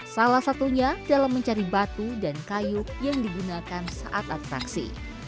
salah satunya dalam mencari batu dan kayu yang digunakan saat atraksi